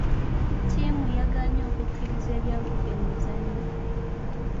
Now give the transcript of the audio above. Ttiimu yagaanye okukkiriza ebyavudde mu muzannyo.